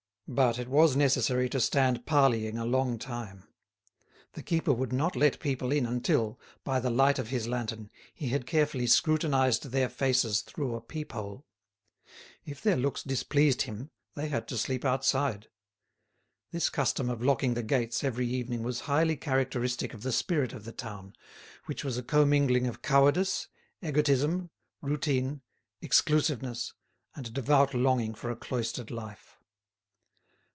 But it was necessary to stand parleying a long time. The keeper would not let people in until, by the light of his lantern, he had carefully scrutinised their faces through a peep hole. If their looks displeased him they had to sleep outside. This custom of locking the gates every evening was highly characteristic of the spirit of the town, which was a commingling of cowardice, egotism, routine, exclusiveness, and devout longing for a cloistered life.